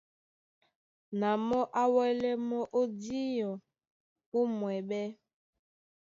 Na mɔ́ á wɛ́lɛ mɔ́ ó díɔ ó mwɛɓɛ́.